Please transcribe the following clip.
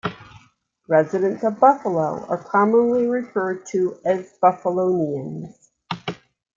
Residents of Buffalo are commonly referred to as "Buffalonians".